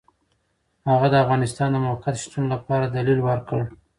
هغه د افغانستان د موقت شتون لپاره دلیل ورکړ.